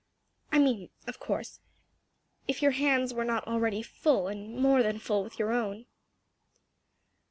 I mean, of course, if your hands were not already full and more than full with your own."